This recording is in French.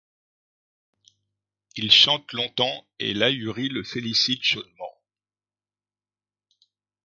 Il chante longtemps, et l’Ahuri le félicite chaudement.